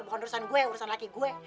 bukan urusan gue yang urusan laki gue